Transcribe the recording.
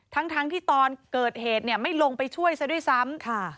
ทั้งที่ตอนเกิดเหตุเนี่ยไม่ลงไปช่วยซะด้วยซ้ำ